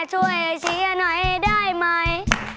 ช่วยเชื่อหน่อยได้มั้ย